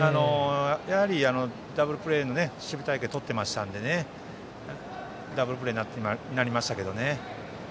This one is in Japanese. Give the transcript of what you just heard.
やはりダブルプレーの守備隊形をとっていましたのでダブルプレーになりましたけどね。